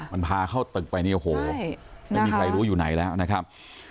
มันพาเข้าตึกไปเนี่ยโอ้โหไม่มีใครรู้อยู่ไหนแล้วนะครับ